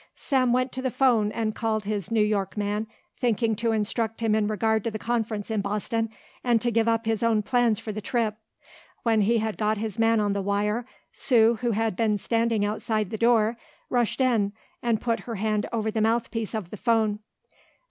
Sam went to the 'phone and called his New York man, thinking to instruct him in regard to the conference in Boston and to give up his own plans for the trip. When he had got his man on the wire, Sue, who had been standing outside the door, rushed in and put her hand over the mouthpiece of the 'phone.